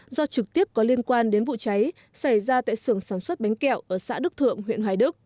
do trực tiếp có liên quan đến vụ cháy xảy ra tại sưởng sản xuất bánh kẹo ở xã đức thượng huyện hoài đức